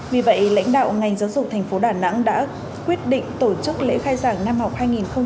vì vậy lãnh đạo ngành giáo dục tp đà nẵng đã quyết định tổ chức lễ khai giảng năm học hai nghìn một mươi chín